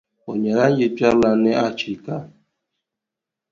O nyɛla n yilikpɛrilana ni achiika.